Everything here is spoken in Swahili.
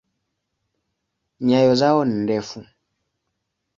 Nyayo zao ni ndefu.